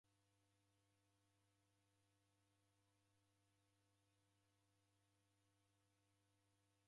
Kukaw'ona ndeyo uko duhu kwafwa meso.